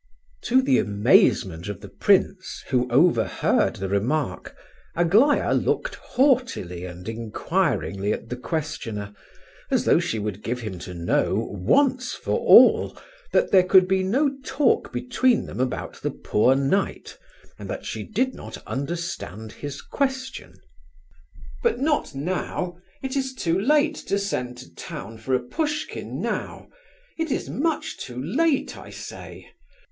To the amazement of the prince, who overheard the remark, Aglaya looked haughtily and inquiringly at the questioner, as though she would give him to know, once for all, that there could be no talk between them about the 'poor knight,' and that she did not understand his question. "But not now! It is too late to send to town for a Pushkin now. It is much too late, I say!"